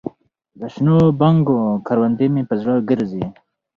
دشنو بنګو کروندې مې په زړه ګرځي